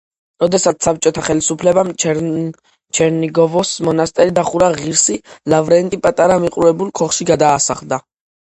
როდესაც საბჭოთა ხელისუფლებამ ჩერნიგოვოს მონასტერი დახურა, ღირსი ლავრენტი პატარა მიყრუებულ ქოხში გადასახლდა.